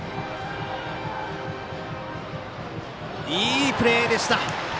いいプレーでした！